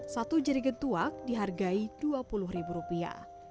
satu jerigen tuak dihargai dua puluh ribu rupiah